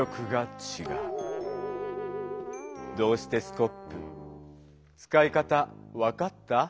「どうしてスコップ」つかい方分かった？